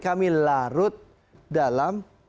kami larut dalam